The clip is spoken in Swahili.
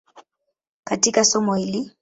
katika somo hili.